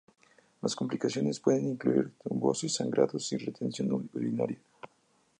Las complicaciones pueden incluir trombosis, sangrados y retención urinaria.